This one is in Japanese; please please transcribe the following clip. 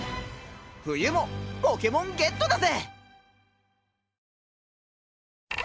冬もポケモンゲットだぜ！